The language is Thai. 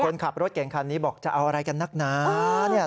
คนขับรถเก่งคันนี้บอกจะเอาอะไรกันนักหนา